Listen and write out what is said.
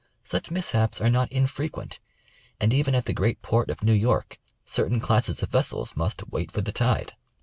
Such mishaps are not infrequent, and even at the great port of New York certain classes of vessels must "wait for the tide."